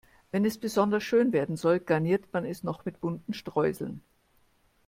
Wenn es besonders schön werden soll, garniert man es noch mit bunten Streuseln.